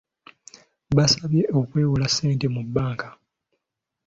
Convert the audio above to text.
Baasabye okwewola ssente mu banka.